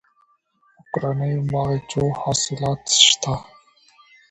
د کورنیو باغچو حاصلات شته